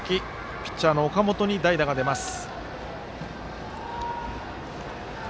ピッチャーの岡本に代打が出ます。